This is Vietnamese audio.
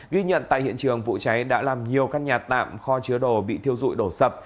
ghi nhận tại hiện trường vụ cháy đã làm nhiều căn nhà tạm kho chứa đồ bị thiêu dụi đổ sập